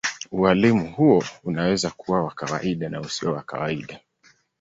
Ualimu huo unaweza kuwa wa kawaida na usio wa kawaida.